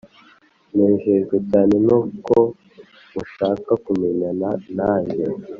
nejejwe cyane nuko mushaka kumenyana nange